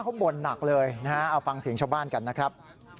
เขาบ่นหนักเลยนะฮะเอาฟังเสียงชาวบ้านกันนะครับ